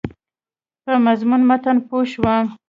په مضمون متن پوه شوم.